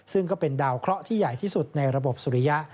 ซึ่งก็เป็นดาวเคราะห์ที่ใหญ่ที่สุดในระบบสุริยะ